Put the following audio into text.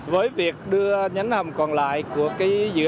với việc đưa nhánh hầm còn lại của cái dự án